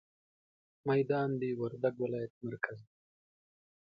ميدان د وردګ ولايت مرکز دی.